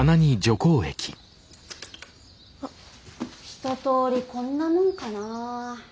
一とおりこんなもんかな。